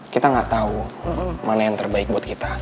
kita gak tahu mana yang terbaik buat kita